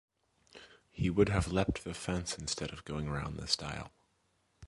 He would have leaped the fence instead of going round the stile.